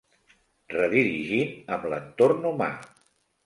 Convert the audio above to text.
Redirigint amb l'entorn humà.